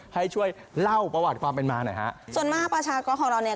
ให้ช่วยเล่าประวัติความเป็นมาหน่อยฮะส่วนมากประชากรของเราเนี่ย